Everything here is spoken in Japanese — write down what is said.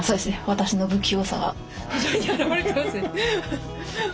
私の不器用さが非常に表れてますね。